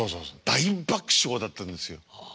大爆笑だったんですよ。